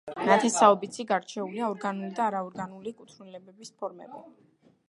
ნათესაობითში გარჩეულია ორგანული და არაორგანული კუთვნილების ფორმები.